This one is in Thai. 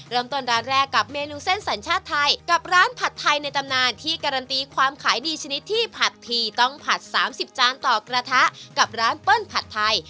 เริ่มต้นร้านแรกกับเมนูเส้นสัญชาติไทยกับร้านผัดไทยในตำนานที่การันตีความขายดีชนิดที่ผัดทีต้องผัด๓๐จานต่อกระทะกับร้านเปิ้ลผัดไทย